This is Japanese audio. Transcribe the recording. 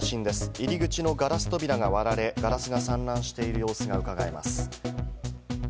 入り口のガラス扉が割られ、ガラスが散乱している様子がうかがえます。